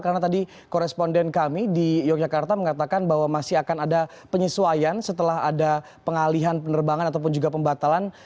karena tadi koresponden kami di yogyakarta mengatakan bahwa masih akan ada penyesuaian setelah ada pengalihan penerbangan ataupun juga pembatalan